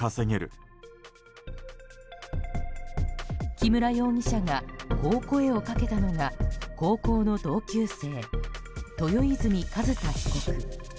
木村容疑者がこう声をかけたのが高校の同級生豊泉寿太被告。